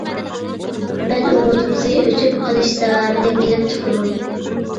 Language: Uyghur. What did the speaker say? بەل ئومۇرتقىسى ئۆسۈپ قېلىش سەۋەبىدىن كېلىپ چىقىدۇ.